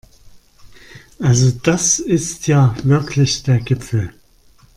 Also das ist ja wirklich der Gipfel!